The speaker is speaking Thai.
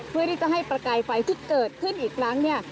เพื่อที่จะให้ประกายไฟที่เกิดขึ้นอีกครั้งเนี่ย